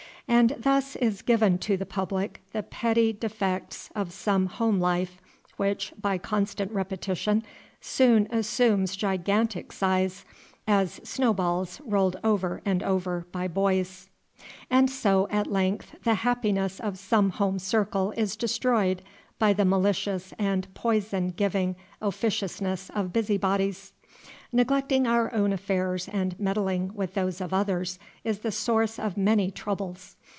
And thus is given to the public the petty defects of some home life, which, by constant repetition, soon assumes gigantic size, as snow balls rolled over and over by boys; and so, at length, the happiness of some home circle is destroyed by the malicious and poison giving officiousness of busybodies. Neglecting our own affairs and meddling with those of others is the source of many troubles.